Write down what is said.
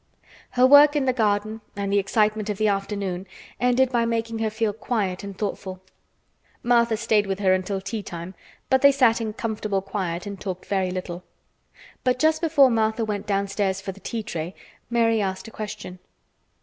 Her work in the garden and the excitement of the afternoon ended by making her feel quiet and thoughtful. Martha stayed with her until tea time, but they sat in comfortable quiet and talked very little. But just before Martha went downstairs for the tea tray, Mary asked a question.